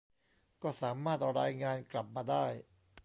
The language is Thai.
ก็สามารถรายงานกลับมาได้